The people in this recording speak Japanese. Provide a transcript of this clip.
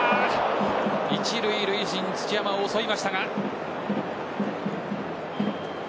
一塁塁審・土山を襲いましたが。